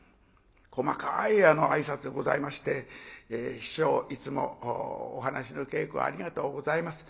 細かい挨拶でございまして師匠いつもお噺の稽古ありがとうございます。